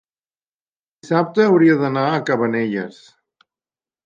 dissabte hauria d'anar a Cabanelles.